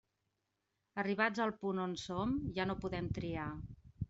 Arribats al punt on som, ja no podem triar.